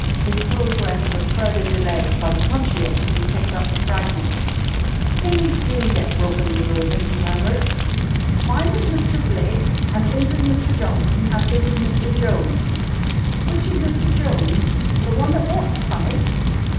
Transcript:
His progress was further delayed while he conscientiously picked up the fragments. "Things do get broken removin'," he murmured. "Mine is Mister Blake and 'is is Mister Johnson, and 'is is Mister Jones." "Which is Mr. Jones? The one that walks funny?"